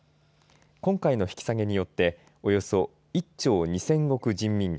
今回の引き下げによって、およそ１兆２０００億人民元。